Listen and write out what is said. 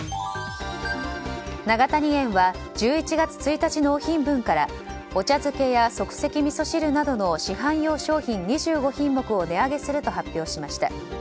永谷園は１１月１日納品分からお茶漬けや即席みそ汁などの市販用商品２５品目を値上げすると発表しました。